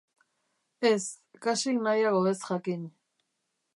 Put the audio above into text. Ez, kasik nahiago ez jakin.